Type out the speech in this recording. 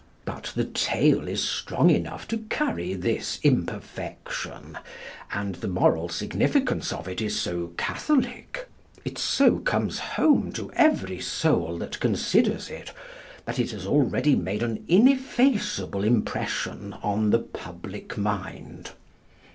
But the tale is strong enough to carry this imperfection, and the moral significance of it is so catholic it so comes home to every soul that considers it that it has already made an ineffaceable impression on the public mind.